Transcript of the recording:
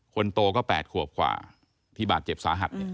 คนโตก็๘ขวบกว่าที่บาดเจ็บสาหัส